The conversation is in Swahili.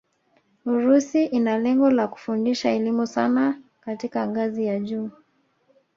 Urusi ina lengo la kufundisha elimu sanaa katika ngazi ya juu